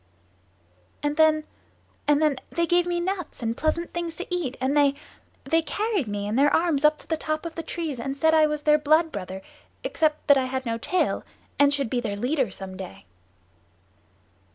"And then, and then, they gave me nuts and pleasant things to eat, and they they carried me in their arms up to the top of the trees and said I was their blood brother except that I had no tail, and should be their leader some day."